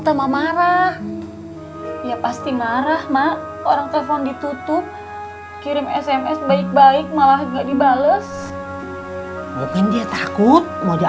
terus es sih harus bagaimana mak